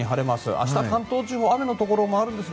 明日、関東地方雨のところもありますが